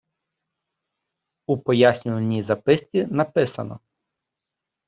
У пояснювальній записці написано.